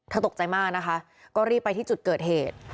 ตกใจมากนะคะก็รีบไปที่จุดเกิดเหตุ